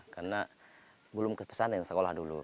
karena belum kepesanan sekolah dulu